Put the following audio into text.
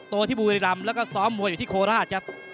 ตัวที่บูริรัมณ์แล้วก็ซ้อมมัวอยู่ที่โคราชครับ